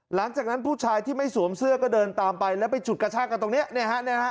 หลังจากนั้นผู้ชายที่ไม่สวมเสื้อก็เดินตามไปแล้วไปฉุดกระชากกันตรงนี้เนี่ยฮะ